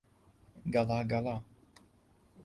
گەڵا گەڵا